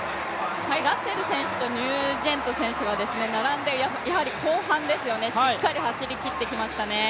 ラッセル選手とニュージェント選手が並んで、やはり後半しっかり走りきってきましたね。